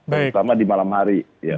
terutama di malam hari